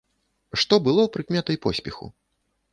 Што было прыкметай поспеху?